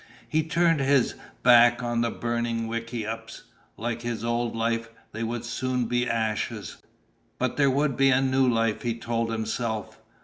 He turned his back on the burning wickiups. Like his old life, they would soon be ashes. But there would be a new life, he told himself.